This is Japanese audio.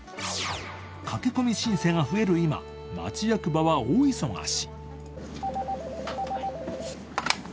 駆け込み申請が増える今、町役場は大忙し。